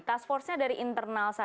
task force nya dari internal saja